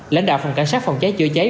lãnh đạo phòng cảnh sát phòng cháy chữa cháy